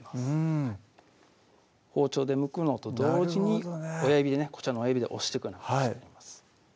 うん包丁でむくのと同時にこちらの親指で押してくような形になります